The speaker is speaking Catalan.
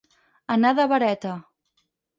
Anar de vareta.